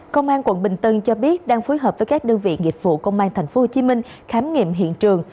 công an quận bình tân cho biết đang phối hợp với các đơn vị nghiệp vụ công an tp hcm khám nghiệm hiện trường